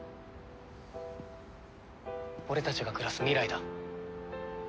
俺たちが暮らす未来だ。